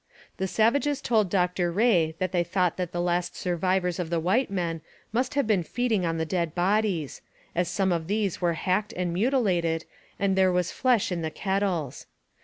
The savages told Dr Rae that they thought that the last survivors of the white men must have been feeding on the dead bodies, as some of these were hacked and mutilated and there was flesh in the kettles.